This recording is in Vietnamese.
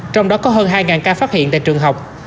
trong đó có hơn hai ca phát hiện tại trường học